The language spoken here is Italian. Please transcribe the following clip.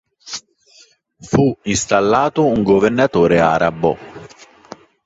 Fu installato un governatore arabo.